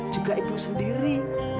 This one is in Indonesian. juga ibu sendiri